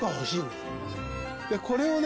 でこれをね